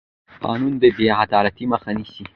قانون د بې عدالتۍ مخه نیسي